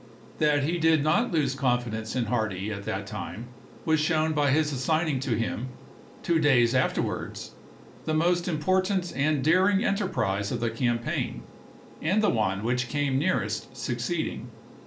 That he did not lose confidence in Hardee at that time was shown by his assigning to him, two days after wards, the most important and daring enterprise of the campaign, and the one which came nearest succeeding.